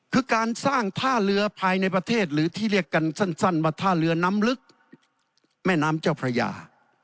คือการสร้างท่าเรือภายในประเทศหรือที่เรียกกันสั้นว่าท่าเรือน้ำลึกแม่น้ำเจ้าพระยา